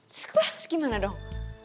terus gue harus gimana dong